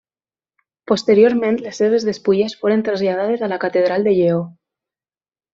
Posteriorment les seves despulles foren traslladades a la catedral de Lleó.